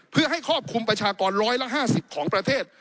เพื่อให้ครอบคลุมประชากร๑๕๐ของประเทศ